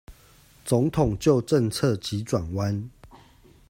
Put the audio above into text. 總統就政策急轉彎